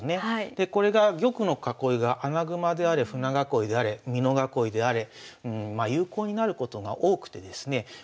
でこれが玉の囲いが穴熊であれ舟囲いであれ美濃囲いであれまあ有効になることが多くてですね